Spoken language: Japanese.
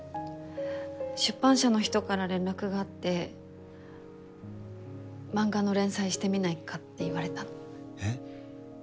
出版社の人から連絡があって漫画の連載してみないかって言われたの。